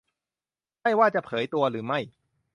ไม่ว่าจะเผยตัวหรือไม่